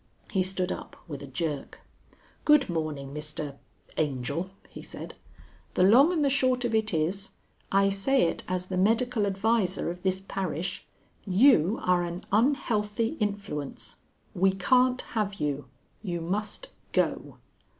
He stood up with a jerk. "Good morning, Mr Angel," he said, "the long and the short of it is I say it as the medical adviser of this parish you are an unhealthy influence. We can't have you. You must go."